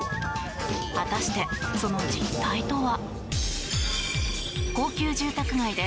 果たして、その実態とは。